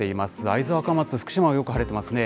会津若松、福島もよく晴れていますね。